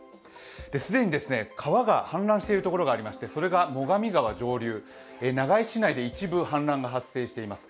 既に川が氾濫している所がありましてそれが最上川上流、長井市内で一部氾濫が発生しています。